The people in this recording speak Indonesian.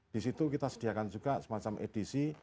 disitu kita sediakan juga semacam edisi